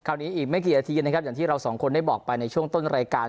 อีกไม่กี่นาทีนะครับอย่างที่เราสองคนได้บอกไปในช่วงต้นรายการ